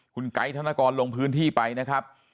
คุณไกด์ธนกรลงพื้นที่ไปนะครับ